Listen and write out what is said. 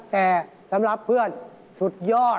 แต่สำหรับเพื่อนสุดยอด